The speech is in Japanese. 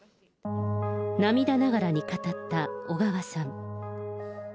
涙ながらに語った小川さん。